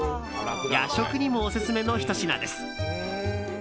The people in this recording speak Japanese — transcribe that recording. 夜食にもオススメのひと品です。